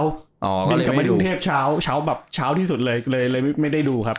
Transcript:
อ๋อก็เลยไม่ดูบินกับมะดิงเทพเช้าเช้าแบบเช้าที่สุดเลยเลยเลยไม่ได้ดูครับ